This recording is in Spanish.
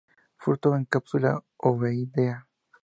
Fruto en cápsula ovoidea.